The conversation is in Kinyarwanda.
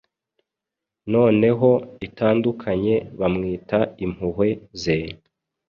noneho itandukanye Bamwita Impuhwe ze,